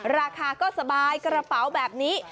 ราคาก็สบายกระเป๋าแบบนี้